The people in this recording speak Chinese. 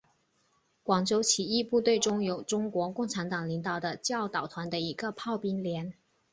广州起义部队中有中国共产党领导的教导团的一个炮兵连。